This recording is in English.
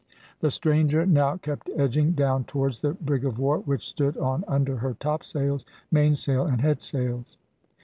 The stranger now kept edging down towards the "brig of war," which stood on under her topsails, mainsail, and headsails.